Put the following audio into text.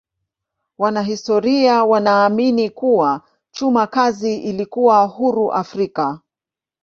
Wanahistoria wanaamini kuwa chuma kazi ilikuwa huru Afrika.